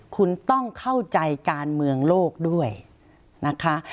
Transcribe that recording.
คุณต้องเข้าใจการเมืองโลกด้วยนะคะ